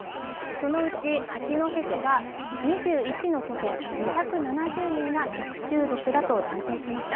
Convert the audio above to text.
そのうち八戸市は２１の都県、２７０人は食中毒だと断定しました。